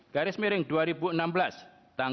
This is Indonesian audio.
garis miring dua ribu enam belas